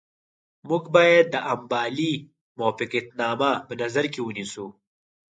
موږ باید د امبالې موافقتنامه په نظر کې ونیسو.